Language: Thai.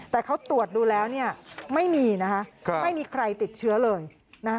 แต่เขาตรวจดูแล้วเนี่ยไม่มีนะคะไม่มีใครติดเชื้อเลยนะ